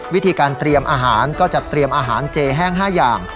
วิธีการเตรียมอาหารก็จะเตรียมอาหารเจแห้ง๕อย่าง